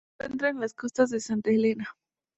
Se encuentra en las costas de Santa Helena.